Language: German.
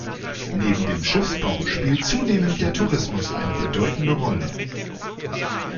Neben dem Schiffsbau spielt zunehmend der Tourismus eine bedeutende Rolle.